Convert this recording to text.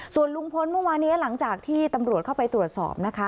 ส่วนลุงพลเมื่อวานี้หลังจากที่ตำรวจเข้าไปตรวจสอบนะคะ